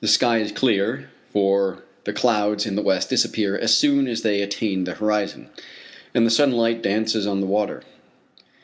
The sky is clear, for the clouds in the west disappear as soon as they attain the horizon, and the sunlight dances on the water.